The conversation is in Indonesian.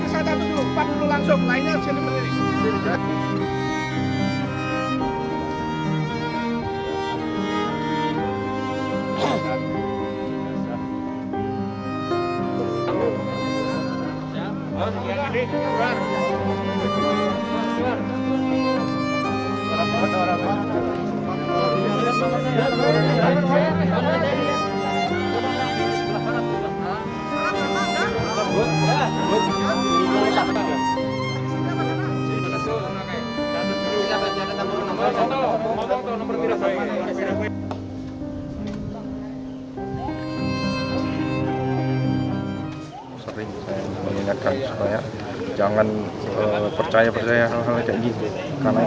sampai sampai sampai sampai sampai